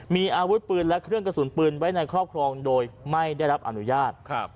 มีอาวุธปืนและเครื่องกระสุนปืนไว้ในครอบครองโดยไม่ได้รับอนุญาต